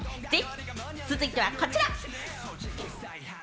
続いてはこちら。